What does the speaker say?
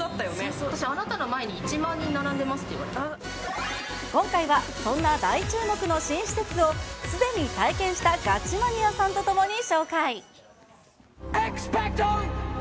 私、あなたの前に１万今回はそんな大注目の新施設を、すでに体験したガチマニアさんと共に紹介。